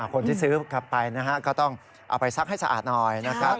คนที่ซื้อกลับไปนะฮะก็ต้องเอาไปซักให้สะอาดหน่อยนะครับ